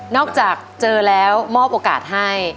จากเจอแล้วมอบโอกาสให้